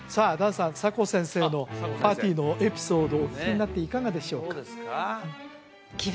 サコ先生のパーティーのエピソードをお聞きになっていかがでしょうか？